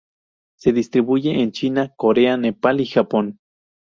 Se distribuye en China, Corea, Nepal y Japón.